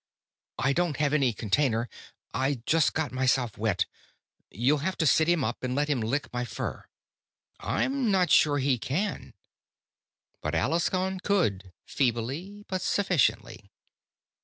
"I don't have any container. I just got myself wet you'll have to sit him up and let him lick my fur." "I'm not sure he can." But Alaskon could, feebly, but sufficiently.